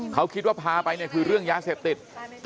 เขาคิดว่าพาไปเนี่ยคือเรื่องยาเสพติด